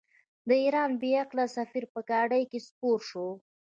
د ایران بې عقل سفیر په ګاډۍ کې سپور شو.